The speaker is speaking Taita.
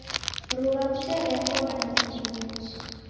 Rugha mnterengo na kizingiti.